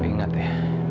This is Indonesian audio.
kamu ingat ya